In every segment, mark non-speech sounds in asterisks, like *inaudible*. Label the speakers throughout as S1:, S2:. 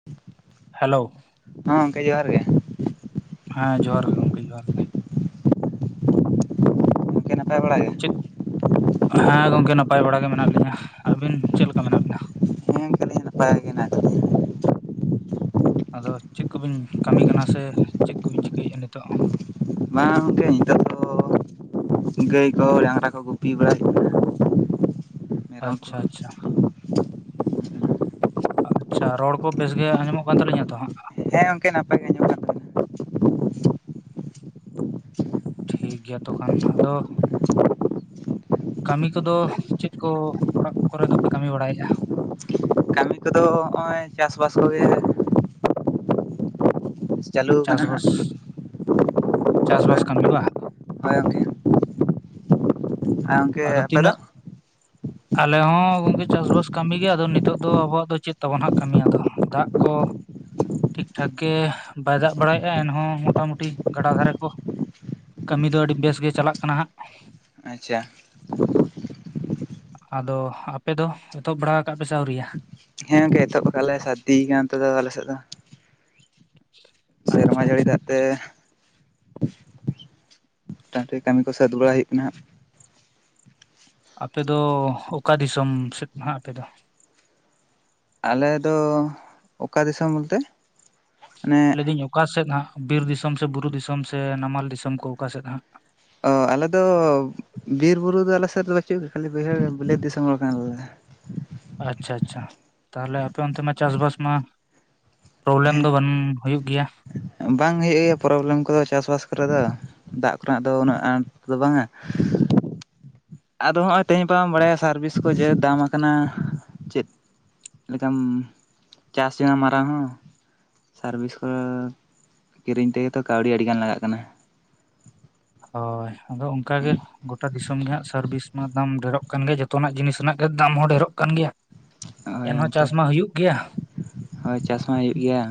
S1: *unintelligible*
S2: Hello.
S1: ᱦᱚᱸ ᱜᱚᱝᱠᱮ ᱡᱚᱦᱟᱨ ᱜᱮ᱾
S2: ᱦᱮᱸ ᱡᱚᱦᱟᱨ ᱜᱮ ᱜᱚᱝᱠᱮ ᱡᱚᱦᱟᱨ ᱜᱮ᱾
S1: ᱠᱮ ᱱᱟᱯᱟᱭ ᱵᱟᱲᱟ ᱜᱮ?
S2: ᱦᱮᱸ ᱜᱚᱝᱠᱮ ᱱᱟᱯᱟᱭ ᱵᱟᱲᱟ ᱜᱮ ᱢᱮᱱᱟᱜ ᱞᱤᱧᱟᱹ ᱟᱹᱵᱤᱱ ᱪᱮᱫ ᱞᱮᱠᱟ ᱢᱮᱱᱟᱜ ᱵᱤᱱᱟ?
S1: ᱟᱹᱰᱤ ᱱᱟᱯᱟᱭ ᱜᱮ ᱢᱮᱱᱟᱜ ᱞᱤᱧᱟ᱾
S2: ᱟᱫᱚ ᱪᱮᱫ ᱠᱚᱵᱤᱱ ᱠᱟᱹᱢᱤ ᱠᱟᱱᱟ ᱥᱮ ᱪᱮᱫ ᱠᱚᱵᱤᱱ ᱪᱤᱠᱟᱹᱭᱮᱫᱼᱟ ᱱᱤᱛᱚᱜ?
S1: ᱵᱟᱝ ᱜᱚᱝᱠᱮ ᱱᱤᱛᱚᱜ ᱫᱚ ᱜᱟᱹᱭ ᱠᱚ ᱰᱟᱝᱨᱟ ᱠᱚ ᱜᱩᱯᱤ ᱵᱟᱲᱟ ᱦᱩᱭᱩᱜ ᱠᱟᱱᱟ᱾ ᱢᱮᱨᱚᱢ ᱠᱚ
S2: ᱟᱪᱪᱷᱟ ᱟᱪᱪᱷᱟ᱾ ᱟᱪᱪᱷᱟ ᱨᱚᱲ ᱠᱚ ᱵᱮᱥ ᱜᱮ ᱟᱸᱡᱚᱢᱚᱜ ᱠᱟᱱ ᱛᱟᱹᱞᱤᱧᱟ ᱛᱚ ᱦᱟᱸᱜ?
S1: ᱦᱮᱸ ᱜᱚᱝᱠᱮ ᱱᱟᱯᱟᱭ ᱜᱮ ᱟᱸᱡᱚᱢᱚᱜ ᱠᱟᱱ ᱛᱟᱹᱵᱤᱱᱟ ᱾
S2: ᱴᱷᱤᱠ ᱜᱮᱭᱟ ᱛᱚᱠᱟᱱ ᱟᱫᱚ ᱠᱟᱹᱢᱤ ᱠᱚᱫᱚ ᱪᱮᱫ ᱠᱚ ᱚᱲᱟᱜ ᱠᱚᱨᱮ ᱫᱚᱯᱮ ᱠᱟᱹᱢᱤ ᱵᱟᱲᱟᱭᱮᱜᱼᱟ?
S1: ᱠᱟᱹᱢᱤ ᱠᱚᱫᱚ ᱦᱚᱜᱼᱚᱭ ᱪᱟᱥᱵᱟᱥ ᱠᱚᱜᱮ᱾ *unintelligible*
S2: ᱪᱟᱥ
S1: ᱦᱟᱸᱜ
S2: ᱵᱟᱥ ᱪᱟᱥ
S1: ᱦᱳᱭ
S2: ᱵᱟᱥ ᱠᱟᱹᱢᱤ ᱵᱟ᱾
S1: ᱦᱳᱭ ᱜᱚᱝᱠᱮ᱾ ᱟᱨ ᱜᱚᱝᱠᱮ
S2: ᱟᱫᱚ
S1: ᱟᱯᱮ ᱫᱚ
S2: ᱛᱤᱱᱟᱹᱜ? ᱟᱞᱮ ᱦᱚᱸ ᱜᱚᱝᱠᱮ ᱪᱟᱥᱵᱟᱥ ᱠᱟᱹᱢᱤᱜᱮ ᱟᱫᱚ ᱱᱤᱛᱚᱜ ᱫᱚ ᱟᱵᱚᱣᱟᱜ ᱫᱚ ᱪᱮᱫ ᱛᱟᱵᱚᱱ ᱦᱟᱸᱜ ᱠᱟᱹᱢᱤ ᱟᱫᱚ᱾ ᱫᱟᱜ ᱠᱚ ᱴᱷᱤᱠ ᱴᱷᱟᱠ ᱜᱮ ᱵᱟᱭ ᱫᱟᱜ ᱵᱟᱲᱟᱭᱮᱜᱼᱟ ᱮᱱᱦᱚᱸ ᱢᱚᱴᱟ ᱢᱩᱴᱤ ᱜᱟᱰᱟ ᱫᱷᱟᱨᱮ ᱠᱚ ᱠᱟᱹᱢᱤ ᱫᱚ ᱟᱹᱰᱤ ᱵᱮᱥ ᱜᱮ ᱪᱟᱞᱟᱜ ᱠᱟᱱᱟ ᱦᱟᱸᱜ᱾
S1: ᱟᱪᱪᱷᱟ᱾
S2: ᱟᱫᱚ ᱟᱯᱮ ᱫᱚ ᱮᱛᱚᱦᱚᱵ ᱵᱟᱲᱟ ᱟᱠᱟᱫ ᱯᱮ ᱥᱮ ᱟᱹᱣᱨᱤᱭᱟᱜᱼᱟ?
S1: ᱦᱮᱸ ᱜᱚᱝᱠᱮ ᱮᱛᱚᱦᱚᱵ ᱟᱠᱟᱫᱞᱮ ᱥᱟᱹᱨᱫᱤ ᱠᱟᱱᱟ ᱟᱞᱮ ᱥᱮᱫ ᱫᱚᱺ
S2: *unintelligible*
S1: ᱥᱮᱨᱢᱟ ᱡᱟᱹᱲᱤ
S2: ᱟᱪᱪᱷᱟ
S1: ᱫᱟᱜ ᱛᱮ *unintelligible* ᱠᱟᱹᱢᱤ ᱠᱚ ᱥᱟᱹᱛ ᱵᱟᱲᱟ ᱦᱳᱭ ᱠᱟᱱᱟ ᱦᱟᱸᱜ᱾
S2: ᱟᱯᱮ ᱫᱚ ᱚᱠᱟ ᱫᱤᱥᱚᱢ ᱥᱮᱫ ᱦᱟᱸᱜ ᱟᱯᱮ ᱫᱚ?
S1: ᱟᱞᱮ ᱫᱚ ᱚᱠᱟ ᱫᱤᱥᱚᱢ ᱵᱚᱞᱛᱮ? ᱢᱟᱱᱮ
S2: ᱞᱟᱹᱭᱫᱟᱹᱧ ᱚᱠᱟ ᱥᱮᱫ ᱦᱟᱸᱜ ᱵᱤᱨ ᱫᱤᱥᱚᱢ ᱥᱮ ᱵᱩᱨᱩ ᱫᱤᱥᱚᱢ ᱥᱮ ᱱᱟᱢᱟᱞ ᱫᱤᱥᱚᱢ ᱠᱚ ᱚᱠᱟ ᱥᱮᱫ ᱦᱟᱸᱜ?
S1: ᱚᱻ ᱟᱞᱮᱫᱚ ᱵᱤᱨ ᱵᱩᱨᱩ ᱫᱚ ᱟᱞᱮ ᱥᱮᱫ ᱫᱚ ᱵᱟᱹᱪᱩᱜᱼᱟ ᱠᱷᱟᱹᱞᱤ ᱵᱟᱹᱭᱦᱟᱹᱲ ᱵᱤᱞᱟᱛ ᱫᱤᱥᱚᱢ ᱦᱚᱲ ᱠᱟᱱᱟᱞᱮ ᱟᱞᱮᱫᱚ᱾
S2: ᱟᱪᱪᱷᱟ ᱟᱪᱪᱷᱟ ᱛᱟᱦᱞᱮ ᱟᱯᱮ ᱚᱱᱛᱮ ᱢᱟ ᱪᱟᱥᱵᱟᱥ ᱢᱟ ᱯᱨᱚᱵᱞᱮᱢ ᱫᱚ
S1: ᱦᱮᱸ
S2: ᱵᱟᱝ ᱦᱩᱭᱩᱜ ᱜᱮᱭᱟ᱾
S1: ᱵᱟᱝ ᱦᱩᱭᱩᱜ ᱜᱮᱭᱟ ᱯᱨᱚᱵᱞᱮᱢ ᱠᱚᱫᱚ ᱪᱟᱥᱵᱟᱥ ᱠᱚᱨᱮ ᱫᱚ᱾ ᱫᱟᱜ ᱠᱚᱨᱮᱱᱟᱜ ᱫᱚ ᱩᱱᱟᱹᱜ ᱟᱱᱟᱴ ᱫᱚ ᱵᱟᱝᱼᱟ᱾ ᱟᱫᱚ ᱦᱚᱸᱜᱼᱚᱭ ᱛᱮᱦᱮᱧ ᱜᱟᱯᱟᱢ ᱵᱟᱲᱟᱭᱟ ᱥᱟᱨᱵᱷᱤᱥ ᱠᱚ ᱡᱮ ᱫᱟᱢ ᱠᱟᱱᱟ, ᱪᱮᱫ ᱞᱮᱠᱟᱢ ᱪᱟᱥ ᱡᱮ ᱢᱟᱨᱟᱝ ᱦᱚᱸ᱾ ᱥᱟᱨᱵᱷᱤᱥ ᱠᱚ ᱠᱤᱨᱤᱧ ᱛᱮᱜᱮ ᱛᱚ ᱠᱟᱹᱣᱰᱤ ᱟᱹᱰᱤᱜᱟᱱ ᱞᱟᱜᱟᱜ ᱠᱟᱱᱟ᱾
S2: ᱦᱳᱭ ᱟᱫᱚ ᱚᱱᱠᱟ ᱜᱮ ᱜᱚᱴᱟ ᱫᱤᱥᱚᱢ ᱜᱮ ᱦᱟᱸᱜ ᱥᱟᱨᱵᱷᱤᱥ ᱢᱟ ᱫᱟᱢ ᱰᱷᱮᱨᱚᱜ ᱠᱟᱱ ᱜᱮᱭᱟ ᱡᱚᱛᱚᱱᱟᱜ ᱡᱤᱱᱤᱥ ᱨᱮᱱᱟᱜ ᱜᱮ ᱫᱟᱢ ᱦᱚᱸ ᱰᱷᱮᱨᱚᱜ ᱠᱟᱱ ᱜᱮᱭᱟ᱾
S1: ᱦᱳᱭ
S2: ᱮᱱᱦᱚᱸ
S1: ᱜᱚᱝᱠᱮ
S2: ᱪᱟᱥ ᱢᱟ ᱦᱩᱭᱩᱜ ᱜᱮᱭᱟ
S1: ᱦᱳᱭ ᱪᱟᱥ ᱢᱟ ᱦᱩᱭᱩᱜ ᱜᱮᱭᱟ᱾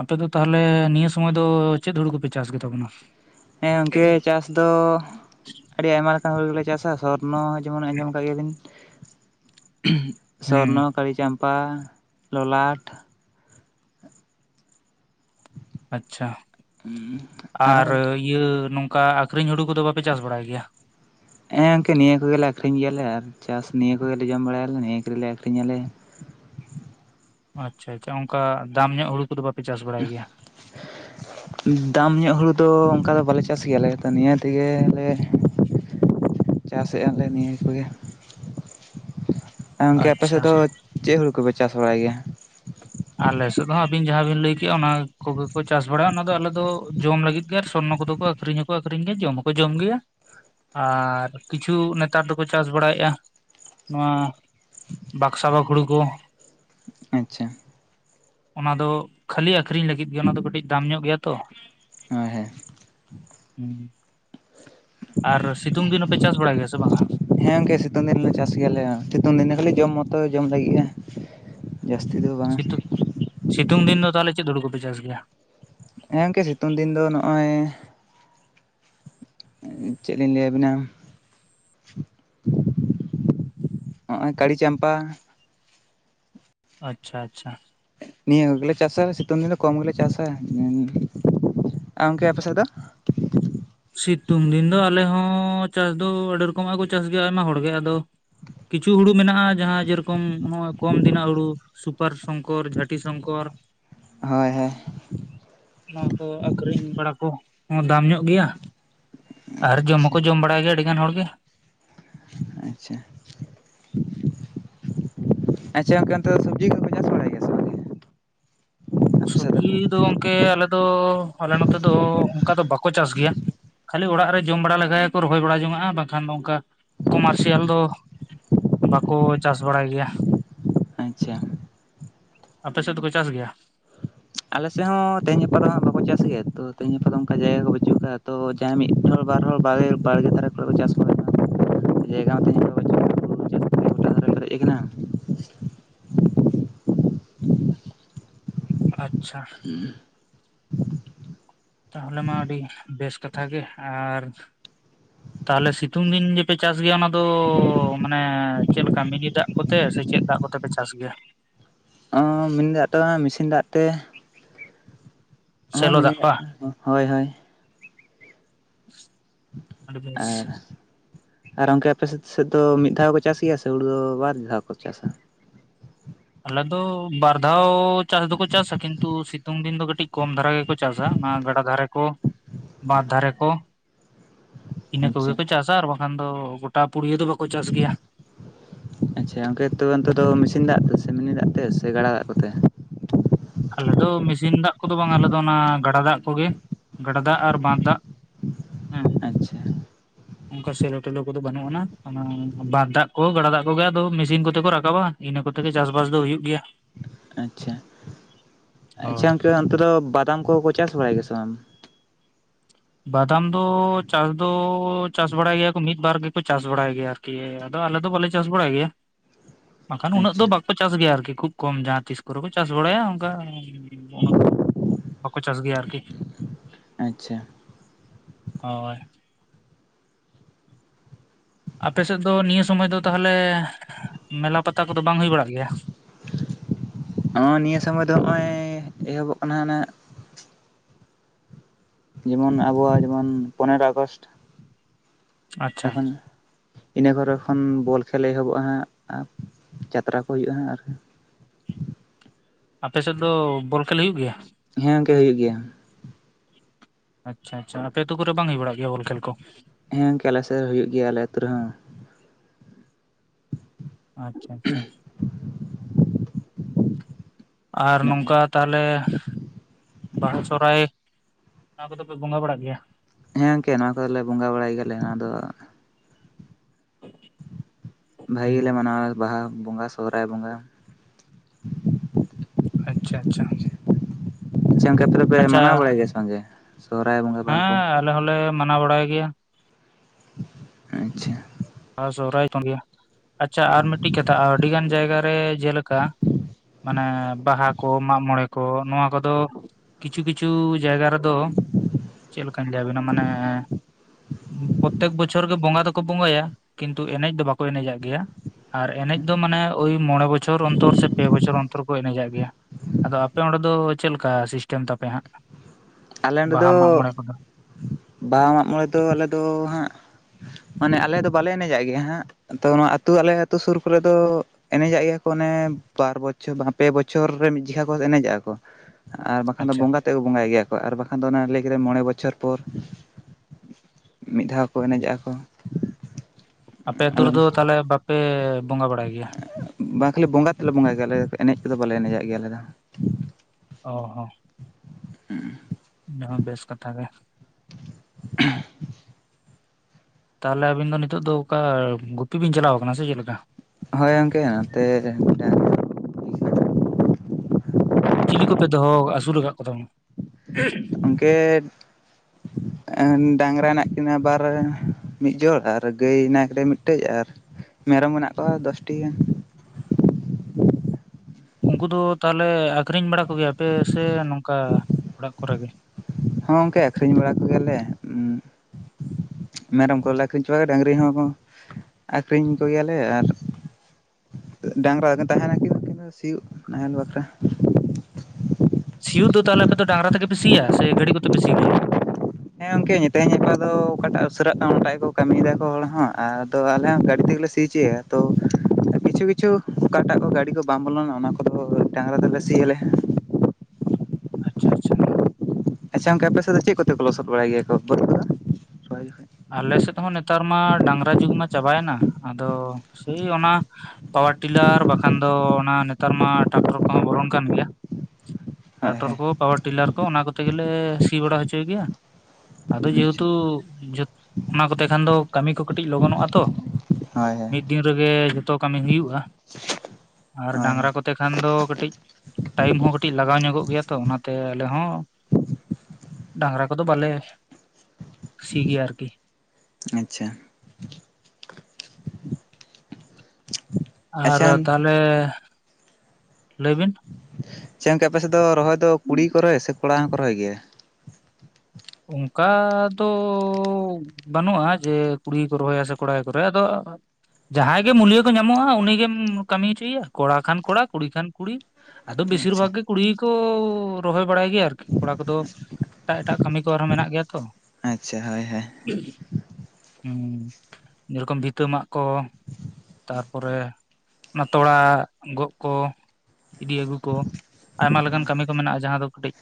S2: ᱟᱯᱮ ᱫᱚ ᱛᱟᱦᱚᱞᱮ ᱱᱤᱭᱟᱹ ᱥᱚᱢᱚᱭ ᱫᱚ ᱪᱮᱫ ᱦᱩᱲᱩ ᱠᱚᱯᱮ ᱪᱟᱥ ᱜᱮ ᱛᱟᱵᱚᱱᱟ?
S1: ᱦᱮᱸ ᱜᱚᱝᱠᱮ ᱪᱟᱥ ᱫᱚ ᱟᱹᱰᱤ ᱟᱭᱢᱟ ᱞᱮᱠᱟᱱ ᱦᱩᱲᱩ ᱜᱮᱞᱮ ᱪᱟᱥᱟ ᱥᱚᱨ ᱥᱚᱨᱱᱚ ᱡᱮᱢᱚᱱ ᱟᱸᱡᱚᱢ ᱠᱟᱜ ᱜᱮᱭᱟᱵᱤᱱ
S2: ᱦᱩᱸ
S1: ᱥᱚᱨᱱᱚ ᱠᱟᱹᱨᱤ ᱪᱟᱢᱯᱟ ᱞᱚᱞᱟᱴ᱾
S2: ᱟᱪᱪᱷᱟ ᱟᱨ ᱤᱭᱟᱹ ᱱᱚᱝᱠᱟ ᱟᱹᱠᱷᱨᱤᱧ ᱦᱩᱲᱩ ᱠᱚᱫᱚ ᱵᱟᱯᱮ ᱪᱟᱥ ᱵᱟᱲᱟᱭ ᱜᱮᱭᱟ?
S1: ᱮᱸᱻ ᱜᱚᱝᱠᱮ ᱱᱤᱭᱟᱹ ᱠᱚᱜᱮᱞᱮ ᱟᱠᱷᱨᱤᱧ ᱜᱮᱭᱟᱞᱮ ᱟᱨ ᱪᱟᱥ ᱱᱤᱭᱟᱹ ᱠᱚᱜᱮᱞᱮ ᱡᱚᱢ ᱵᱟᱲᱟᱭᱟᱞᱮ ᱱᱤᱭᱟᱹ ᱠᱚᱜᱮᱞᱮ ᱟᱹᱠᱷᱟᱨᱤᱧ ᱟᱞᱮ᱾
S2: ᱟᱪᱪᱷᱟ ᱟᱪᱪᱷᱟ ᱚᱱᱠᱟ ᱫᱟᱢ ᱧᱚᱜ ᱦᱩᱲᱩ ᱠᱚᱫᱚ ᱵᱟᱯᱮ ᱪᱟᱥ ᱵᱟᱲᱟᱭ ᱜᱮᱭᱟ?
S1: ᱫᱟᱢ ᱧᱚᱜ ᱦᱩᱲᱩ ᱫᱚ ᱚᱱᱠᱟ ᱫᱚ ᱵᱟᱞᱮ ᱪᱟᱥ ᱜᱮᱭᱟᱞᱮ ᱱᱤᱭᱟᱹ ᱛᱮᱜᱮ ᱞᱮ ᱪᱟᱥᱮᱫ ᱞᱮ ᱱᱤᱭᱟ ᱠᱚᱜᱮ᱾ ᱜᱚᱝᱠᱮ
S2: ᱟᱪᱪᱷᱟ
S1: ᱟᱯᱮᱥᱮᱫ ᱫᱚ ᱪᱮᱫ ᱦᱩᱲᱩ ᱠᱚᱯᱮ ᱪᱟᱥ ᱵᱟᱲᱟᱭ ᱜᱮᱭᱟ?
S2: ᱟᱞᱮᱥᱮᱫ ᱦᱚᱸ ᱟᱵᱤᱱ ᱡᱟᱦᱟᱸ ᱵᱤᱱ ᱞᱟᱹᱭᱠᱮᱜᱼᱟ ᱚᱱᱟ ᱠᱚᱜᱮ ᱠᱚ ᱪᱟᱥ ᱵᱟᱲᱟᱭᱼᱟ ᱚᱱᱟ ᱫᱚ ᱟᱞᱮ ᱫᱚ ᱡᱚᱢ ᱞᱟᱹᱜᱤᱫ ᱜᱮ ᱟᱨ ᱥᱚᱨᱱᱚ ᱠᱚᱫᱚ ᱟᱠᱷᱨᱤᱧ ᱦᱚᱸᱠᱚ ᱟᱠᱷᱨᱤᱧ ᱜᱮᱭᱟ ᱡᱚᱢ ᱦᱚᱸᱠᱚ ᱡᱚᱢ ᱜᱮᱭᱟ᱾ ᱟᱨ ᱠᱤᱪᱷᱩ ᱱᱮᱛᱟᱨ ᱫᱚᱠᱚ ᱪᱟᱥ ᱵᱟᱲᱟᱭᱮᱜᱼᱟ ᱱᱚᱣᱟ ᱵᱟᱠᱥᱟ ᱵᱟᱸᱠ ᱦᱩᱲᱩ ᱠᱚ,
S1: ᱟᱪᱪᱷᱟ᱾
S2: ᱚᱱᱟ ᱫᱚ ᱠᱷᱟᱹᱞᱤ ᱟᱠᱷᱨᱤᱧ ᱞᱟᱹᱜᱤᱫ ᱜᱮ ᱚᱱᱟ ᱫᱚ ᱠᱟᱹᱴᱤᱡ ᱫᱟᱢ ᱧᱚᱜ ᱜᱮᱭᱟ ᱛᱚ,
S1: ᱦᱮᱸ ᱦᱮᱸ,
S2: ᱦᱩᱸ᱾ ᱟᱨ ᱥᱤᱛᱩᱝ ᱫᱤᱱ ᱦᱚᱸ ᱯᱮ ᱪᱟᱥ ᱵᱟᱲᱟᱭ ᱜᱮᱭᱟ ᱥᱮ ᱵᱟᱝᱟ?
S1: ᱦᱮᱸ ᱜᱚᱝᱠᱮ ᱥᱤᱛᱩᱝ ᱫᱤᱱ ᱞᱮ ᱪᱟᱥ ᱜᱮᱭᱟᱞᱮ ᱥᱤᱛᱩᱝ ᱫᱤᱱ ᱫᱚ ᱠᱷᱟᱹᱞᱤ ᱡᱚᱢ ᱢᱚᱛᱚ ᱡᱚᱢ ᱞᱟᱹᱜᱤᱫ ᱜᱮ᱾ ᱡᱟᱹᱥᱛᱤ ᱫᱚ ᱵᱟᱝᱟ᱾
S2: ᱥᱤᱛᱩᱝ ᱥᱤᱛᱩᱝ ᱫᱤᱱ ᱫᱚ ᱛᱟᱦᱞᱮ ᱪᱮᱫ ᱦᱩᱲᱩ ᱠᱚ ᱯᱮ ᱪᱟᱥ ᱜᱮᱭᱟ?
S1: ᱦᱮᱸ ᱜᱚᱝᱠᱮ ᱥᱤᱛᱩᱝ ᱫᱤᱱ ᱫᱚ ᱱᱚᱜᱼᱚᱭ ᱪᱮᱫ ᱞᱤᱧ ᱞᱟᱹᱭ ᱟᱵᱤᱱᱟ ᱱᱚᱜᱼᱚᱭ ᱠᱟᱹᱲᱤ ᱪᱟᱢᱯᱟ
S2: ᱟᱪᱪᱷᱟ ᱟᱪᱪᱷᱟ᱾
S1: ᱱᱤᱭᱟᱹ ᱠᱚᱜᱮ ᱞᱮ ᱪᱟᱥᱟ ᱥᱤᱛᱩᱝ ᱫᱤᱱ ᱫᱚ ᱠᱚᱢ ᱜᱮᱞᱮ ᱪᱟᱥᱟ, ᱟᱨ ᱜᱚᱢᱠᱮ ᱟᱯᱮ ᱥᱮᱫ ᱫᱚ?
S2: ᱥᱤᱛᱩᱝ ᱫᱤᱱ ᱫᱚ ᱟᱞᱮ ᱦᱚᱸ ᱪᱟᱥ ᱫᱚ ᱟᱹᱰᱤ ᱨᱚᱠᱚᱢᱟᱜ ᱠᱚ ᱪᱟᱥ ᱜᱮᱭᱟ ᱟᱭᱢᱟ ᱦᱚᱲᱜᱮ ᱟᱫᱚ ᱠᱤᱪᱷᱩ ᱦᱩᱲᱩ ᱢᱮᱱᱟᱜᱼᱟ ᱡᱟᱦᱟᱸ ᱡᱮᱨᱚᱠᱚᱢ ᱱᱚᱜ-ᱚᱭ ᱠᱚᱢ ᱫᱤᱱᱟᱜ ᱦᱩᱲᱩ, ᱥᱩᱯᱟᱨ ᱥᱚᱝᱠᱚᱨ ᱡᱷᱟᱴᱤ ᱥᱚᱝᱠᱚᱨ,
S1: ᱦᱳᱭ ᱦᱳᱭ᱾
S2: ᱱᱚᱣᱟ ᱠᱚ ᱟᱠᱷᱨᱤᱧ ᱵᱟᱲᱟ ᱠᱚ, ᱱᱚᱣᱟ ᱫᱟᱢ ᱧᱚᱜ ᱜᱮᱭᱟ᱾ ᱟᱨ ᱡᱚᱢ
S1: ᱟᱪᱪᱷᱟ
S2: ᱦᱚᱸᱠᱚ ᱡᱚᱢ ᱵᱟᱲᱟᱭ ᱜᱮᱭᱟ ᱟᱹᱰᱤ ᱜᱟᱱ ᱦᱚᱲ ᱜᱮ᱾
S1: ᱟᱪᱪᱷᱟ, ᱟᱪᱪᱷᱟ ᱜᱚᱝᱠᱮ ᱚᱱᱛᱮ ᱫᱚ ᱥᱚᱵᱡᱤ ᱠᱚ ᱟᱯᱮ ᱥᱮᱫ
S2: ᱥᱚᱵᱡᱤ ᱫᱚ ᱜᱚᱝᱠᱮ ᱟᱞᱮ ᱫᱚ ᱟᱞᱮ ᱱᱚᱛᱮ ᱫᱚ ᱚᱱᱠᱟ ᱫᱚ ᱵᱟᱠᱚ ᱪᱟᱥ ᱜᱮᱭᱟ᱾ ᱠᱷᱟᱹᱞᱤ ᱚᱲᱟᱜ ᱨᱮ ᱡᱚᱢ ᱵᱟᱲᱟ ᱞᱮᱟᱜᱟᱭ ᱠᱚ ᱨᱚᱦᱚᱭ ᱵᱟᱲᱟ ᱡᱚᱝᱟᱜᱼᱟ ᱵᱟᱝᱠᱷᱟᱱ ᱫᱚ ᱚᱱᱠᱟ ᱠᱚᱢᱟᱨᱥᱤᱭᱟᱞ ᱫᱚ ᱵᱟᱠᱚ ᱪᱟᱥ ᱵᱟᱲᱟᱭ ᱜᱮᱭᱟ᱾
S1: ᱟᱪᱪᱷᱟ᱾
S2: ᱟᱯᱮ ᱥᱮᱫ ᱫᱚᱠᱚ ᱪᱟᱥ ᱜᱮᱭᱟ?
S1: ᱟᱞᱮ ᱥᱮᱫ ᱦᱚᱸ ᱛᱮᱦᱮᱧ ᱜᱟᱯᱟ ᱫᱚ ᱦᱟᱸᱜ ᱵᱟᱠᱚ ᱪᱟᱥ ᱜᱮᱭᱟ ᱛᱚ ᱛᱮᱦᱮᱧ ᱜᱟᱯᱟ ᱫᱚ ᱚᱱᱠᱟ ᱡᱟᱭᱜᱟ ᱠᱚ ᱵᱟᱹᱪᱩᱜ ᱟᱠᱟᱫ ᱛᱚ ᱡᱟᱦᱟᱸᱭ ᱢᱤᱫ ᱦᱚᱲ ᱵᱟᱨ ᱦᱚᱲ ᱵᱟᱲᱮ ᱵᱟᱲᱜᱮ ᱫᱷᱟᱨᱟ ᱠᱚᱨᱮ ᱠᱚ ᱪᱟᱥ *unintelligible*
S2: ᱟᱪᱪᱷᱟ,
S1: ᱩᱦᱸ,
S2: ᱛᱟᱦᱚᱞᱮ ᱢᱟ ᱟᱹᱰᱤ ᱵᱮᱥ ᱠᱟᱛᱷᱟ ᱜᱮ ᱟᱨ ᱛᱟᱦᱚᱞᱮ ᱥᱤᱛᱩᱝ ᱫᱤᱱ ᱡᱮ ᱯᱮ ᱪᱟᱥ ᱜᱮᱭᱟ ᱚᱱᱟ ᱫᱚ ᱢᱟᱱᱮ ᱪᱮᱫ ᱞᱮᱠᱟ ᱢᱤᱱᱤ ᱫᱟᱜ ᱠᱚ ᱛᱮ ᱥᱮ ᱪᱮᱜ ᱫᱟᱜ ᱠᱚ ᱛᱮ ᱯᱮ ᱪᱟᱥ ᱜᱮᱭᱟ?
S1: ᱚ ᱢᱤᱱᱤ ᱫᱟᱜ ᱛᱮᱦᱚᱸ ᱢᱮᱥᱤᱱ ᱫᱟᱜ ᱛᱮ᱾ ᱦᱚᱸ
S2: ᱥᱮᱞᱚ
S1: ᱢᱤᱱᱤ ᱫᱟᱜ,
S2: ᱵᱟ
S1: ᱦᱳᱭ ᱦᱳᱭ᱾
S2: ᱟᱹᱰᱤ ᱵᱮᱥ
S1: ᱟᱨ ᱟᱨ ᱚᱝᱠᱮ ᱟᱯᱮ ᱥᱮ ᱥᱮᱫ ᱫᱚ ᱢᱤᱫ ᱫᱷᱟᱣ ᱠᱚ ᱪᱟᱥ ᱜᱮᱭᱟ ᱥᱮ ᱦᱩᱲᱩ ᱫᱚ ᱵᱟᱨ ᱫᱷᱟᱣ ᱠᱚ ᱪᱟᱥᱟ᱾
S2: ᱟᱞᱮ ᱫᱚ ᱵᱟᱨ ᱫᱷᱟᱣ ᱪᱟᱥ ᱫᱚᱠᱚ ᱪᱟᱥᱟ ᱠᱤᱱᱛᱩ ᱥᱤᱛᱩᱝ ᱫᱤᱱ ᱫᱚ ᱠᱟᱹᱴᱤᱡ ᱠᱚᱢ ᱫᱷᱟᱨᱟ ᱜᱮᱠᱚ ᱪᱟᱥᱟ, ᱚᱱᱟ ᱜᱟᱰᱟ ᱫᱷᱟᱨᱮ ᱠᱚ ᱵᱟᱸᱫᱽ ᱫᱷᱟᱨᱮ ᱠᱚ᱾ ᱤᱱᱟᱹ ᱠᱚᱜᱮ
S1: ᱟᱪᱪᱷᱟ
S2: ᱠᱚ ᱪᱟᱥᱟ ᱟᱨ ᱵᱟᱠᱷᱟᱱ ᱫᱚ ᱜᱚᱴᱟ ᱯᱩᱲᱭᱟᱹ ᱫᱚ ᱵᱟᱠᱚ ᱪᱟᱥ ᱜᱮᱭᱟ᱾
S1: ᱟᱪᱪᱷᱟ ᱜᱚᱝᱠᱮ ᱛᱚ ᱚᱱᱛᱮ ᱫᱚ ᱢᱮᱥᱤᱱ ᱫᱟᱜ ᱛᱮ ᱥᱮ ᱢᱤᱱᱤ ᱫᱟᱜ ᱛᱮ ᱥᱮ ᱜᱟᱰᱟ ᱫᱟᱜ ᱠᱚᱛᱮ᱾
S2: ᱟᱞᱮ ᱫᱚ ᱢᱮᱥᱤᱱ ᱫᱟᱜ ᱠᱚᱫᱚ ᱵᱟᱝ ᱟᱞᱮ ᱫᱚ ᱚᱱᱟ ᱜᱟᱰᱟ ᱫᱟᱜ ᱠᱚᱜᱮ, ᱜᱟᱰᱟ ᱫᱟᱜ ᱟᱨ ᱵᱟᱸᱫᱷ ᱫᱟᱜ᱾ ᱦᱮᱸ᱾
S1: ᱟᱪᱪᱷᱟ᱾
S2: ᱚᱱᱠᱟ ᱥᱮᱞᱚ ᱴᱮᱞᱚ ᱠᱚᱫᱚ ᱵᱟᱹᱱᱩᱜ ᱟᱱᱟ ᱚᱱᱟ ᱵᱟᱸᱫᱷ ᱫᱟᱜ ᱠᱚ ᱜᱟᱰᱟ ᱫᱟᱜ ᱠᱚᱜᱮ ᱟᱫᱚ ᱢᱮᱥᱤᱱ ᱠᱚᱛᱮ ᱠᱚ ᱨᱟᱠᱟᱵᱟ᱾ ᱤᱱᱟᱹ ᱠᱚᱛᱮ ᱜᱮ ᱪᱟᱥᱵᱟᱥ ᱫᱚ ᱦᱩᱭᱩᱜ ᱜᱮᱭᱟ᱾
S1: ᱟᱪᱪᱷᱟ,
S2: ᱦᱳᱭ
S1: ᱟᱪᱪᱷᱟ ᱜᱚᱝᱠᱮ ᱚᱱᱛᱮ ᱫᱚ ᱵᱟᱫᱟᱢ ᱠᱚᱠᱚ ᱪᱟᱥ ᱵᱟᱲᱟᱭ ᱜᱮᱭᱟ ᱥᱮ ᱵᱟᱝ?
S2: ᱵᱟᱫᱟᱢ ᱫᱚ ᱪᱟᱥ ᱫᱚ ᱪᱟᱥ ᱵᱟᱲᱟᱭ ᱜᱮᱭᱟ ᱠᱚ ᱢᱤᱫ ᱵᱟᱨ ᱜᱮᱠᱚ ᱪᱟᱥ ᱵᱟᱲᱟᱭ ᱜᱮᱭᱟ᱾ *inaudible* ᱟᱫᱚ ᱟᱞᱮ ᱫᱚ ᱵᱟᱞᱮ ᱪᱟᱥ ᱵᱟᱲᱟᱭ ᱜᱮᱭᱟ ᱵᱟᱝᱠᱷᱟᱱ ᱩᱱᱟᱹᱜ ᱫᱚ
S1: ᱟᱪᱪᱷᱟ
S2: ᱵᱟᱝ ᱠᱚ ᱪᱟᱥ ᱜᱮᱭᱟ ᱟᱹᱨᱠᱤ ᱠᱷᱩᱵ ᱠᱚᱢ ᱡᱟᱦᱟᱸ ᱛᱤᱥ ᱠᱚᱨᱮ ᱠᱚ ᱪᱟᱥ ᱵᱟᱲᱟᱭ ᱚᱱᱠᱟ ᱩᱱᱟᱹᱜ ᱵᱟᱠᱚ ᱪᱟᱥ ᱜᱮᱭᱟ ᱟᱹᱨᱠᱤ ᱾
S1: ᱟᱪᱪᱷᱟ᱾
S2: ᱦᱳᱭ᱾ ᱟᱯᱮᱥᱮᱫ ᱫᱚ ᱱᱤᱭᱟᱹ ᱥᱚᱢᱚᱭ ᱫᱚ ᱛᱟᱦᱚᱸᱞᱮ, ᱢᱮᱞᱟ ᱯᱟᱛᱟ ᱠᱚᱫᱚ ᱵᱟᱝ ᱦᱩᱭ ᱵᱟᱲᱟᱜ ᱜᱮᱭᱟ?
S1: ᱦᱚᱸᱜ-ᱚᱭ ᱱᱤᱭᱟᱹ ᱥᱚᱢᱚᱭ ᱫᱚ ᱦᱚᱜ-ᱚᱭ ᱮᱦᱚᱵᱚᱜ ᱠᱟᱱᱟ ᱦᱟᱱᱟ ᱡᱮᱢᱚᱱ ᱟᱵᱚᱣᱟᱜ ᱡᱮᱢᱚᱱ ᱯᱚᱱᱮᱨᱚ ᱟᱜᱚᱥᱴ᱾
S2: ᱟᱪᱪᱷᱟ
S1: ᱛᱚᱠᱷᱚᱱ᱾ ᱤᱱᱟᱹ ᱠᱚᱨᱮ ᱠᱷᱚᱱ ᱵᱚᱞ ᱠᱷᱮᱞ ᱮᱦᱚᱸᱵᱚᱜ-ᱟ ᱦᱟᱸᱜ ᱟᱨ ᱡᱟᱛᱨᱟ ᱠᱚ ᱦᱩᱭᱩᱜ-ᱟ ᱦᱟᱸᱜ ᱟᱨ
S2: ᱟᱯᱮ ᱥᱮᱫ ᱫᱚ ᱵᱚᱞ ᱠᱷᱮᱞ ᱦᱩᱭᱩᱜ ᱜᱮᱭᱟ?
S1: ᱦᱮᱸ ᱜᱚᱝᱠᱮ ᱦᱩᱭᱩᱜ ᱜᱮᱭᱟ᱾
S2: ᱟᱪᱪᱷᱟ ᱟᱪᱪᱷᱟ ᱟᱯᱮ ᱟᱹᱛᱩ ᱠᱚᱨᱮ ᱵᱟᱝ ᱦᱩᱭ ᱵᱟᱲᱟᱜ ᱜᱮᱭᱟ ᱵᱚᱞ ᱠᱷᱮᱞ ᱠᱚ?
S1: ᱦᱮᱸ ᱜᱚᱝᱠᱮ ᱟᱞᱮ ᱥᱮᱫ ᱦᱩᱭᱩᱜ ᱜᱮᱭᱟ ᱟᱞᱮ ᱟᱹᱛᱩ ᱨᱮ ᱦᱚᱸ᱾
S2: ᱟᱪᱪᱷᱟ ᱟᱪᱪᱷᱟ ᱟᱨ ᱱᱚᱝᱠᱟ ᱛᱟᱦᱚᱸᱞᱮ ᱵᱟᱦᱟ ᱥᱚᱨᱚᱦᱟᱭ ᱚᱱᱟ ᱠᱚᱫᱚ ᱯᱮ ᱵᱚᱸᱜᱟ ᱵᱟᱲᱟᱜ ᱜᱮᱭᱟ᱾
S1: ᱦᱮᱸ ᱜᱚᱝᱠᱮ ᱱᱚᱣᱟ ᱠᱚᱫᱚᱞᱮ ᱵᱚᱸᱜᱟ ᱵᱟᱲᱟᱭ ᱜᱮᱭᱟᱞᱮ ᱱᱚᱣᱟ ᱫᱚ ᱵᱷᱟᱹᱜᱤ
S2: ᱦᱩᱸ
S1: ᱜᱮᱞᱮ ᱢᱟᱱᱟᱣᱟ ᱵᱟᱦᱟ ᱵᱚᱸᱜᱟ ᱥᱚᱨᱦᱟᱭ ᱵᱚᱸᱜᱟ᱾
S2: ᱟᱪᱪᱷᱟ ᱟᱪᱪᱷᱟ᱾
S1: ᱟᱪᱪᱷᱟ ᱝᱠᱮ ᱚᱱᱛᱮ ᱨᱮᱯᱮ
S2: ᱟᱪᱪᱷᱟ
S1: ᱢᱟᱱᱟᱣ ᱵᱟᱲᱟᱭ ᱜᱮᱭᱟ ᱥᱮ ᱵᱟᱝ ᱜᱮ, ᱥᱚᱨᱚᱦᱟᱭ ᱵᱚᱸᱜᱟ ᱵᱟᱦᱟ
S2: ᱦᱮᱸ
S1: ᱠᱚ
S2: ᱟᱞᱮ ᱦᱚᱸᱞᱮ ᱢᱟᱱᱟᱣ ᱵᱟᱲᱟᱭ ᱜᱮᱭᱟ᱾
S1: ᱟᱪᱪᱷᱟ᱾
S2: ᱥᱚᱦᱨᱟᱭ ᱛᱚᱸᱜᱮ ᱟᱪᱪᱷᱟ ᱟᱨ ᱢᱤᱫᱴᱤᱡ ᱠᱟᱛᱷᱟ ᱟᱹᱰᱤ ᱜᱟᱱ ᱡᱟᱭᱜᱟ ᱨᱮ ᱡᱮᱞᱮᱠᱟ ᱢᱟᱱᱮ ᱵᱟᱦᱟ ᱠᱚ ᱢᱟᱜ ᱢᱚᱬᱮ ᱠᱚ ᱱᱚᱣᱟ ᱠᱚᱫᱚ᱾ ᱠᱤᱪᱷᱩ ᱠᱤᱪᱷᱩ ᱡᱟᱭᱜᱟ ᱨᱮᱫᱚ, ᱪᱮᱫ ᱞᱮᱠᱟᱹᱧ ᱞᱟᱹᱭ ᱟᱵᱤᱱᱟ ᱢᱟᱱᱮ ᱯᱨᱚᱛᱮᱠ ᱵᱚᱪᱷᱚᱨ ᱜᱮ ᱵᱚᱸᱜᱟ ᱫᱚᱠᱚ ᱵᱚᱸᱜᱟᱭᱟ᱾ ᱠᱤᱱᱛᱩ ᱮᱱᱮᱡ ᱫᱚ ᱵᱟᱠᱚ ᱮᱱᱮᱡᱟᱜ ᱜᱮᱭᱟ, ᱟᱨ ᱮᱱᱮᱡ ᱫᱚ ᱢᱟᱱᱮ ᱳᱭ ᱢᱚᱬᱮ ᱵᱚᱪᱷᱚᱨ ᱚᱱᱛᱚᱨ ᱥᱮ ᱯᱮ ᱵᱚᱪᱷᱚᱨ ᱚᱱᱛᱚᱨ ᱠᱚ ᱮᱱᱮᱡᱟᱜ ᱜᱮᱭᱟ, ᱟᱫᱚ ᱟᱯᱮ ᱚᱸᱰᱮ ᱫᱚ ᱪᱮᱫ ᱞᱮᱠᱟ ᱥᱤᱥᱴᱮᱢ ᱛᱟᱯᱮ ᱦᱟᱸᱜ᱾
S1: ᱟᱞᱮ ᱱᱚᱸᱰᱮ
S2: ᱵᱟᱦᱟ
S1: ᱫᱚ
S2: ᱢᱟᱜ ᱢᱚᱬᱮ ᱠᱚᱫᱚ
S1: ᱵᱟᱦᱟ ᱢᱟᱜ ᱢᱚᱬᱮ ᱫᱚ ᱟᱞᱮᱫᱚ ᱦᱟᱸᱜ᱾ ᱢᱟᱱᱮ ᱟᱞᱮ ᱫᱚ ᱵᱟᱞᱮ ᱮᱱᱮᱡᱟᱜ ᱜᱮᱭᱟ ᱦᱟᱸᱜ, ᱛᱚ ᱱᱚᱣᱟ ᱟᱹᱛᱩ ᱟᱞᱮ ᱟᱹᱛᱩ ᱥᱩᱨ ᱠᱚᱨᱮ ᱫᱚ ᱮᱱᱮᱡᱟᱜ ᱜᱮᱭᱟ ᱠᱚ ᱚᱱᱮ, ᱵᱟᱨ ᱵᱚᱪᱷᱚᱨ ᱵᱟᱝ ᱯᱮ ᱵᱚᱪᱷᱚᱨ ᱨᱮ ᱢᱤᱫ ᱡᱚᱠᱷᱟᱡ ᱠᱚ ᱮᱱᱮᱡᱟᱜ-ᱟ ᱠᱚ᱾ ᱟᱨ ᱵᱟᱠᱷᱟᱱ ᱫᱚ
S2: ᱟᱪᱪᱷᱟ
S1: ᱵᱚᱸᱜᱟ ᱛᱮᱫ ᱠᱚ ᱵᱚᱸᱜᱟᱭ ᱜᱮᱭᱟ ᱠᱚ ᱟᱨ ᱵᱟᱠᱷᱟᱱ ᱫᱚ ᱚᱱᱟ ᱞᱟᱹᱭ ᱠᱮᱫᱟ ᱢᱚᱲᱮ ᱵᱚᱪᱷᱚᱨ ᱯᱚᱨ᱾ ᱢᱤᱫ ᱫᱷᱟᱣ ᱠᱚ ᱮᱱᱮᱡᱟᱜ-ᱟ ᱠᱚ ᱠᱩᱲᱩᱵ ᱪᱚᱜ
S2: ᱟᱯᱮ ᱟᱛᱩ ᱨᱮᱫᱚ ᱛᱟᱦᱞᱮ ᱵᱟᱯᱮ ᱵᱚᱸᱜᱟ ᱵᱟᱲᱟᱭ ᱜᱮᱭᱟ?
S1: ᱮᱸᱜ ᱵᱟᱝ ᱠᱷᱟᱹᱞᱤ ᱵᱚᱸᱜᱟ ᱛᱮᱫ ᱞᱮ ᱵᱚᱸᱜᱟᱭ ᱜᱮᱭᱟ ᱞᱮ ᱮᱱᱮᱡ ᱠᱚᱫᱚ ᱵᱟᱞᱮ ᱮᱱᱮᱡᱟᱜ ᱜᱮᱭᱟ ᱟᱞᱮ ᱫᱚ ᱾
S2: ᱚ ᱦᱚᱸ ᱾
S1: ᱮᱦ ᱾
S2: ᱚᱱᱟ ᱦᱚᱸ ᱵᱮᱹᱥ ᱠᱟᱛᱷᱟ ᱜᱮ ᱾
S1: ᱷᱮᱸᱦᱮᱸᱻ ᱾
S2: ᱛᱟᱦᱞᱮ ᱟᱵᱤᱱ ᱫᱚ ᱱᱤᱛᱚᱜ ᱫᱚ ᱚᱠᱟ ᱜᱩᱯᱤ ᱵᱤᱱ ᱪᱟᱞᱟᱣ ᱠᱟᱱᱟ ᱥᱮ ᱪᱮᱫ ᱞᱮᱠᱟ?
S1: ᱦᱚᱭ ᱝᱠᱮ ᱱᱚᱛᱮ ᱢᱤᱫ ᱴᱟᱝ ᱾
S2: ᱪᱤᱞᱤ ᱠᱚᱯᱮ ᱫᱚᱦᱚᱦ ᱟᱥᱩᱞ ᱟᱠᱟᱫ ᱠᱚᱛᱟᱢᱟ ᱷᱩᱸᱦ?
S1: ᱝᱠᱮᱛ ᱮᱸ ᱰᱟᱝᱨᱟ ᱦᱮᱱᱟᱜ ᱠᱤᱱᱟᱹ ᱵᱟᱨ ᱟᱬᱟᱨ ᱢᱤᱫ ᱡᱚᱲ ᱟᱨ ᱜᱟᱹᱭ ᱦᱮᱱᱟᱭ ᱠᱟᱫᱮᱭᱟ ᱢᱤᱫᱴᱮᱡ ᱟᱨ ᱢᱮᱨᱚᱢ ᱢᱮᱱᱟᱜ ᱠᱚᱣᱟ ᱫᱚᱥᱴᱤ ᱜᱟᱱ ᱾
S2: ᱩᱱᱠᱩ ᱫᱚ ᱛᱟᱚᱞᱮ ᱟᱠᱷᱨᱤᱧ ᱵᱟᱲᱟ ᱠᱚ ᱜᱮᱭᱟᱯᱮ ᱥᱮ ᱱᱚᱝᱠᱟ ᱚᱲᱟᱜ ᱠᱚᱨᱮ ᱜᱮ?
S1: ᱦᱚᱸ ᱜᱚᱝᱠᱮ ᱟᱠᱷᱨᱤᱧ ᱵᱟᱲᱟ ᱠᱚ ᱜᱮᱭᱟᱞᱮ ᱩᱸᱜ ᱯ-ᱪᱟᱜ ᱢᱮᱨᱚᱢ ᱠᱚᱞᱮ ᱟᱠᱷᱨᱤᱧ ᱪᱟᱵᱟᱣᱟ ᱰᱟᱹᱝᱨᱤ ᱦᱚᱸ ᱟᱠᱷᱨᱤᱧ ᱠᱚ ᱜᱮᱭᱟᱞᱮ᱾ ᱟᱨ ᱰᱟᱝᱨᱟ ᱟᱫᱚ ᱛᱟᱦᱮᱸᱱᱟ ᱠᱤᱲ ᱩᱱᱠᱤᱱ ᱥᱤᱭᱳᱜ ᱱᱟᱦᱮᱸᱞ ᱵᱟᱠᱷᱨᱟ ᱾
S2: ᱥᱤᱭᱩᱜ ᱫᱚ ᱛᱟᱦᱞᱮ ᱟᱯᱮ ᱫᱚ ᱰᱟᱝᱨᱟ ᱛᱮᱜᱮ ᱯᱮ ᱥᱤᱭᱟ ᱥᱮ ᱜᱟᱹᱰᱤ ᱠᱚᱛᱮ ᱯᱮ ᱥᱤ ᱜᱮᱭᱟ?
S1: ᱦᱮᱸ ᱜᱚᱝᱠᱮ ᱛᱮᱹᱦᱮᱹᱧ ᱜᱟᱯᱟ ᱫᱚ ᱚᱠᱟᱴᱟᱜ ᱩᱥᱟᱹᱨᱟᱜ ᱠᱟᱱᱟ ᱚᱱᱟᱴᱟᱜ ᱜᱮᱠᱚ ᱠᱟᱹᱢᱤᱭ ᱫᱟ ᱠᱚ ᱦᱚᱲ ᱦᱚᱸ ᱟᱫᱚ ᱟᱞᱮ ᱦᱚᱸ ᱜᱟᱰᱤ ᱛᱮᱜᱮ ᱞᱮ ᱥᱤᱭ ᱥᱤᱭ ᱪᱚᱭᱟ ᱛᱳ ᱠᱤᱪᱷᱩ ᱠᱤᱪᱷᱩ ᱚᱠᱟᱴᱟᱜ ᱠᱚ ᱜᱟᱰᱤ ᱠᱚ ᱵᱟᱢ ᱵᱚᱞᱚᱱᱟ, ᱚᱱᱟ ᱠᱚᱫᱚ ᱰᱟᱝᱨᱟ ᱛᱮᱞᱮ ᱥᱤᱭᱟᱞᱮ᱾
S2: ᱟᱪ ᱪᱷᱟ ᱟᱪ ᱪᱷᱟ ᱾
S1: ᱟᱪᱷᱟ ᱜᱚᱝᱠᱮ ᱟᱯᱮ ᱥᱮᱫ ᱫᱚ ᱪᱮᱜ ᱠᱚᱛᱮ ᱠᱚ ᱞᱚᱥᱚᱫ ᱵᱟᱲᱟᱭ ᱜᱮᱭᱟ ᱠᱚ *unintelligible* ‌?
S2: ᱟᱞᱮ ᱥᱮᱫ ᱦᱚᱸ ᱱᱮᱛᱟᱨ ᱢᱟ ᱰᱟᱝᱨᱟ ᱡᱩᱜᱽ ᱢᱟ ᱪᱟᱵᱟᱭᱮᱱᱟ, ᱟᱫᱚ ᱥᱮᱭ ᱚᱱᱟ ᱯᱟᱣᱟᱨ ᱴᱤᱞᱟᱨ ᱵᱟᱠᱷᱟᱱ ᱫᱚ ᱚᱱᱟ ᱱᱮᱛᱟᱨ ᱢᱟ ᱴᱨᱟᱠᱴᱚᱨ ᱠᱚᱦᱚᱸ ᱵᱚᱞᱚᱱ ᱠᱟᱱ ᱜᱮᱭᱟ ᱾
S1: ᱦᱳᱭ
S2: ᱴᱟᱠᱴᱚᱨ
S1: ᱦᱳᱭ
S2: ᱠᱚ ᱯᱟᱣᱟᱨ ᱴᱤᱞᱟᱨ ᱠᱚ ᱚᱱᱟ ᱠᱚᱛᱮ ᱜᱮᱞᱮ ᱥᱤᱭ ᱵᱟᱲᱟ ᱦᱚᱪᱚᱭ ᱜᱮᱭᱟ, ᱟᱫᱚ
S1: ᱟᱪᱪᱷᱟ
S2: ᱡᱮᱹᱦᱮᱹᱛᱩ ᱡᱚᱛ ᱚᱱᱟ ᱠᱚᱛᱮ ᱠᱷᱟᱱ ᱫᱚ ᱠᱟᱢᱤ ᱠᱚ ᱠᱟᱹᱴᱤᱡ ᱞᱚᱜᱚᱱᱚᱜᱼᱟ ᱛᱚ,
S1: ᱦᱳᱭ ᱦᱳᱭ
S2: ᱢᱤᱫ ᱫᱤᱱ ᱨᱮᱜᱮ ᱡᱚᱛᱚ ᱠᱟᱢᱤ ᱦᱩᱭᱩᱜᱼᱟ᱾ ᱟᱨ
S1: ᱦᱳᱭ
S2: ᱰᱟᱝᱨᱟ ᱠᱚᱛᱮ ᱠᱷᱟᱱ ᱫᱚ ᱠᱟᱹᱴᱤᱡ ᱴᱟᱭᱤᱢ ᱦᱚᱸ ᱠᱟᱹᱴᱤᱡ ᱞᱟᱜᱟᱣ ᱧᱚᱜᱚᱜ ᱜᱮᱭᱟ ᱛᱚ ᱚᱱᱟᱛᱮ ᱟᱞᱮ ᱦᱚᱸ ᱰᱟᱝᱨᱟ ᱠᱚᱫᱚ ᱵᱟᱞᱮ ᱥᱤᱭ ᱜᱮᱭᱟ ᱟᱨ ᱷᱩᱸᱦ *inaudible*
S1: ᱦᱳᱭ ᱟᱪᱪᱷᱟ
S2: ᱟᱨ
S1: ᱟᱪᱪᱷᱟ ᱟᱪᱪᱷᱟ
S2: ᱛᱟᱞᱦᱮ, ᱞᱟᱹᱭ ᱵᱤᱱ?
S1: ᱪᱮᱜ ᱜᱚᱝᱠᱮ ᱟᱯᱮ ᱥᱮᱫ ᱫᱚ ᱨᱚᱦᱚᱭ ᱫᱚ ᱠᱩᱲᱤ ᱠᱚ ᱨᱚᱦᱚᱭ ᱥᱮ ᱠᱚᱲᱟ ᱦᱚᱸᱠᱚ ᱨᱚᱦᱚᱭ ᱜᱮᱭᱟ?
S2: ᱚᱝᱠᱟᱻ ᱫᱚᱻ ᱾ ᱵᱟᱱᱩᱜᱼᱟ ᱡᱮ ᱠᱩᱲᱤ ᱜᱮᱠᱚ ᱨᱚᱦᱚᱭᱟ ᱥᱮ ᱠᱚᱲᱟ ᱜᱮᱠᱚ ᱨᱚᱦᱚᱭᱟ, ᱟᱫᱚ ᱡᱟᱦᱟᱸᱭ ᱜᱮ ᱢᱩᱞᱤᱭᱟᱹ ᱠᱚ ᱧᱟᱢᱚᱜᱼᱟ ᱩᱱᱤ ᱜᱮᱢ ᱠᱟᱢᱤ ᱦᱚᱪᱚᱭᱮᱭᱟ ᱠᱚᱲᱟ ᱠᱷᱟᱱ ᱠᱚᱲᱟ ᱠᱩᱲᱤ ᱠᱷᱟᱱ ᱠᱩᱲᱤ ᱾ ᱟᱫᱚ ᱵᱤᱥᱤᱨ
S1: ᱟᱪᱪᱷᱟ
S2: ᱵᱷᱟᱜᱽ ᱜᱮ ᱠᱩᱲᱤ ᱜᱮᱠᱚᱻ ᱨᱚᱦᱚᱭ ᱵᱟᱲᱟᱭ ᱜᱮᱭᱟ ᱟᱨᱠᱤ ᱠᱚᱲᱟ ᱠᱚᱫᱚ ᱮᱴᱟᱜ ᱮᱴᱟᱜ ᱠᱟᱹᱢᱤ ᱠᱚ ᱟᱨᱦᱚᱸ ᱢᱮᱱᱟᱜ ᱜᱮᱭᱟ ᱛᱚ ᱾
S1: ᱟᱪ-ᱪᱷᱟ, ᱦᱚᱭ ᱦᱚᱭ,
S2: ᱷᱩᱦ, ᱩᱸᱦ ᱡᱮᱹᱨᱚᱠᱚᱢ ᱵᱷᱤᱛᱟᱹ ᱢᱟᱜ ᱠᱚ ᱛᱟᱨᱯᱚᱨᱮ ᱚᱱᱟ ᱛᱚᱲᱟ ᱜᱚᱜ ᱠᱚ, ᱤᱫᱤ ᱟᱹᱜᱩ ᱠᱚ ᱟᱭᱢᱟ ᱞᱮᱠᱟᱱ ᱠᱟᱢᱤ ᱠᱚ ᱢᱮᱱᱟᱜᱼᱟ ᱡᱟᱦᱟᱸ ᱫᱚ ᱠᱟᱹᱴᱤᱡ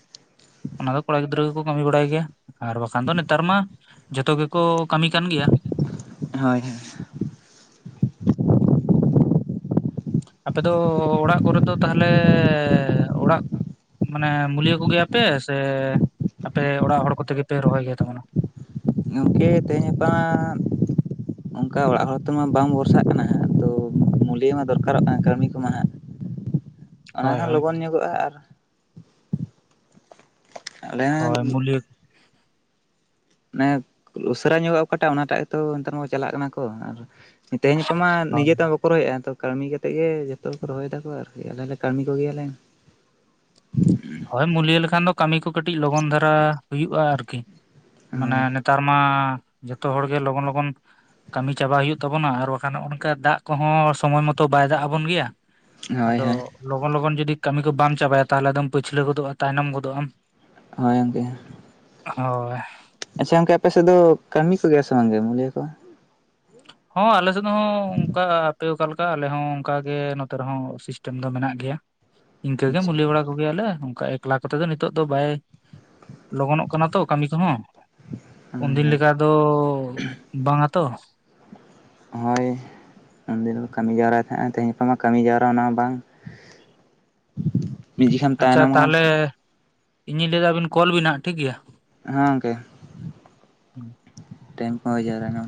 S2: ᱚᱱᱟ ᱫᱚ ᱠᱚᱲᱟ ᱜᱤᱫᱽᱨᱟᱹ ᱜᱮᱠᱚ ᱠᱟᱹᱢᱤ ᱵᱟᱲᱟᱭ ᱜᱮᱭᱟ ᱟᱨ ᱵᱟᱠᱷᱟᱱ ᱫᱚ ᱱᱮᱛᱟᱨ ᱢᱟ ᱡᱷᱚᱛᱚ ᱜᱮᱠᱚ ᱠᱟᱹᱢᱤ ᱠᱟᱱ ᱜᱮᱭᱟ ᱾
S1: ᱦᱳᱭ ᱦᱳᱭ᱾
S2: ᱟᱯᱮ ᱫᱚ ᱚᱲᱟᱜ ᱠᱚᱨᱮ ᱫᱚ ᱛᱟᱦᱚᱞᱮ ᱚᱲᱟᱜ ᱢᱟᱱᱮ ᱢᱩᱞᱤᱭᱟᱹ ᱠᱚ ᱜᱮᱭᱟ ᱯᱮ ᱥᱮ ᱟᱯᱮ ᱚᱲᱟᱜ ᱦᱚᱲ ᱠᱚᱛᱮ ᱜᱮᱯᱮ ᱨᱚᱦᱚᱭ ᱤᱭᱟᱹ ᱛᱟᱵᱚᱱᱟ?
S1: ᱜᱚᱝᱠᱮ ᱛᱮᱦᱮᱧ ᱜᱟᱯᱟ ᱚᱱᱠᱟ ᱚᱲᱟᱜ ᱦᱚᱲ ᱛᱮᱢᱟ ᱵᱟᱢ ᱵᱷᱚᱨᱥᱟᱜ ᱠᱟᱱᱟ ᱦᱟᱸᱜ ᱛᱚ᱾ ᱢᱩᱞᱤᱭᱚ ᱦᱚᱸ ᱫᱚᱨᱠᱟᱨᱚᱜ ᱠᱟᱱᱟ ᱠᱟᱹᱢᱤ‌ ᱠᱚ ᱦᱟᱸᱜ ‌ ᱚᱱᱟ
S2: ᱦᱳᱭ
S1: ᱦᱚᱸ
S2: ᱦᱳᱭ
S1: ᱞᱚᱜᱚᱱ ᱧᱚᱜᱚᱜᱼᱟ᱾ ᱟᱨ ᱟᱞᱮ ᱨᱮᱱ
S2: ᱦᱳᱭ ᱢᱩᱞᱭᱟᱹ
S1: ᱢᱟᱱᱮ ᱩᱥᱟᱹᱨᱟ ᱧᱚᱜᱚᱜ ᱚᱠᱟᱴᱟᱜ ᱚᱱᱟᱴᱟᱜ ᱜᱮᱛᱚ ᱱᱮᱛᱟᱨ ᱦᱚᱸ ᱪᱟᱞᱟᱜ ᱠᱟᱱᱟ ᱠᱚ ᱟᱨ ᱛᱮᱦᱮᱧ ᱜᱟᱯᱟ ᱢᱟ ᱱᱤᱡᱮ ᱛᱮ ᱦᱚᱸ ᱨᱚᱦᱚᱭᱮᱫᱼᱟ ᱛᱚ ᱠᱟᱹᱢᱤ ᱠᱟᱛᱮ ᱜᱮ ᱡᱚᱛᱚ ᱜᱮᱠᱚ ᱨᱚᱦᱚᱭ ᱮᱫᱟᱠᱚ ᱟᱨᱠᱤ ᱟᱞᱮ ᱦᱚᱞᱮ ᱠᱟᱹᱢᱤ ᱠᱚᱜᱮᱭᱟᱞᱮ᱾
S2: ᱦᱳᱭ ᱢᱩᱞᱤᱭᱟᱹ ᱞᱮᱠᱷᱟᱱ ᱫᱚ ᱠᱟᱹᱢᱤ ᱠᱚ ᱠᱟᱹᱴᱤᱡ ᱞᱚᱜᱚᱱ ᱫᱷᱟᱨᱟ ᱦᱩᱭᱩᱜᱼᱟ ᱟᱨᱠᱤ᱾ ᱢᱟᱱᱮ
S1: ᱦᱳᱭ
S2: ᱱᱮᱛᱟᱨ ᱢᱟ ᱡᱚᱛᱚ ᱦᱚᱲ ᱜᱮ ᱞᱚᱜᱚᱱ ᱞᱚᱜᱚᱱ ᱠᱟᱹᱢᱤ ᱪᱟᱵᱟᱭ ᱦᱩᱭᱩᱜ ᱛᱟᱵᱚᱱᱟ ᱟᱨ ᱵᱟᱠᱷᱟᱱ ᱱᱚᱜ ᱱᱚᱝᱠᱟ ᱫᱟᱜ ᱠᱚᱦᱚᱸ ᱥᱚᱢᱚᱭ ᱢᱚᱛᱚ ᱵᱟᱭ ᱫᱟᱜ ᱟᱵᱚᱱ ᱜᱮᱭᱟ᱾
S1: ᱦᱳᱭ
S2: ᱟᱫᱚ
S1: ᱦᱳᱭ
S2: ᱞᱚᱜᱚᱱ ᱞᱚᱜᱚᱱ ᱡᱩᱫᱤ ᱠᱟᱹᱢᱤ ᱠᱚ ᱵᱟᱢ ᱪᱟᱵᱟᱭᱟ ᱛᱟᱦᱚᱞᱮ ᱟᱫᱚᱢ ᱯᱟᱹᱪᱷᱞᱟᱹ ᱜᱚᱫᱚᱜᱼᱟ ᱛᱟᱭᱱᱚᱢ ᱜᱚᱫᱚᱜᱼᱟᱢ᱾
S1: ᱦᱳᱭ ᱜᱚᱝᱠᱮ᱾
S2: ᱦᱳᱭ᱾
S1: ᱟᱪᱪᱷᱟ ᱜᱚᱝᱠᱮ ᱟᱯᱮ ᱥᱮᱫ ᱫᱚ ᱠᱟᱹᱢᱤ ᱠᱚᱜᱮᱭᱟ ᱥᱮ ᱵᱟᱝ ᱜᱮ ᱢᱩᱞᱤᱭᱟᱹ ᱠᱚ
S2: ᱦᱚᱸ ᱟᱞᱮᱥᱮᱫ ᱦᱚᱸ ᱚᱱᱠᱟ ᱟᱯᱮ ᱚᱠᱟᱞᱮᱠᱟ ᱠᱟ ᱟᱞᱮ ᱦᱚᱸ ᱚᱱᱠᱟ ᱜᱮ ᱱᱚᱛᱮ ᱨᱮᱦᱚᱸ ᱥᱤᱥᱴᱮᱢ ᱫᱚ ᱢᱮᱱᱟᱜ ᱜᱮᱭᱟ ᱤᱱᱠᱟᱹ ᱜᱮ
S1: ᱟᱪᱪᱷᱟ
S2: ᱢᱩᱞᱤᱭᱟᱹ ᱵᱟᱲᱟ ᱠᱚ ᱠᱚ ᱜᱮᱭᱟᱞᱮ ᱚᱱᱠᱟ ᱮᱠᱞᱟ ᱠᱚᱛᱮ ᱫᱚ ᱱᱤᱛᱚᱜ ᱫᱚ ᱵᱟᱭ ᱞᱚᱜᱚᱱᱚᱜ ᱠᱟᱱᱟ ᱛᱚ ᱠᱟᱹᱢᱤ ᱠᱚᱦᱚᱸ
S1: ᱦᱳᱭ
S2: ᱩᱱᱫᱤᱱ
S1: ᱦᱳᱭ
S2: ᱞᱮᱠᱟ ᱫᱚ ᱵᱟᱝ ᱟ ᱛᱚ
S1: ᱦᱳᱭ᱾ ᱩᱱᱫᱤᱱ ᱠᱚ ᱠᱟᱹᱢᱤ ᱡᱟᱣᱨᱟᱭ ᱛᱟᱦᱮᱸᱜ ᱛᱮᱦᱮᱧ ᱜᱟᱯᱟᱢᱟ ᱠᱟᱹᱢᱤ ᱡᱟᱣᱨᱟ ᱚᱱᱟ ᱦᱚᱸ ᱵᱟᱝ᱾ ᱱᱤᱡᱮ ᱠᱷᱟᱱ
S2: ᱟᱪᱪᱷᱟ
S1: ᱛᱟᱭᱱᱚᱢ ᱟᱢ
S2: ᱛᱟᱦᱚᱞᱮ
S1: ᱥᱮ?
S2: ᱤᱧᱤᱧ ᱞᱟᱹᱭᱫᱟ ᱟᱵᱤᱱ ᱠᱚᱞ ᱵᱤᱱ ᱦᱟᱜ ᱴᱷᱤᱠ ᱜᱮᱭᱟ᱾
S1: ᱦᱮ ᱜᱚᱢᱠᱮ ᱴᱟᱭᱤᱢ ᱠᱚ ᱦᱩᱭ ᱡᱟᱣᱨᱟᱭ ᱱᱟ᱾